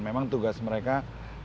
memang tugas mereka sebagai penegak umum